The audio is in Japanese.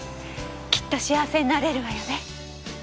きっと幸せになれるわよね。